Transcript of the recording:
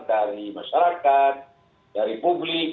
dari masyarakat dari publik